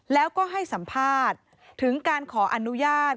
แล้วก็ให้สัมภาษณ์ถึงการขออนุญาต